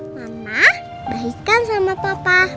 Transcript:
mama baikkan sama papa